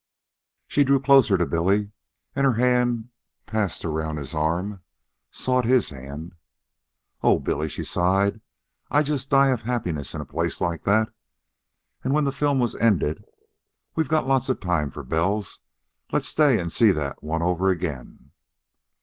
She drew closer to Billy, and her hand, passed around his arm, sought his hand. "Oh, Billy," she sighed. "I'd just die of happiness in a place like that." And, when the film was ended. "We got lots of time for Bell's. Let's stay and see that one over again."